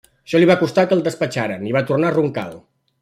Això li va costar que el despatxaren, i va tornar a Roncal.